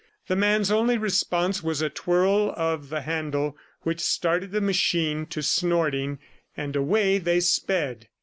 The man's only response was a twirl of the handle which started the machine to snorting, and away they sped.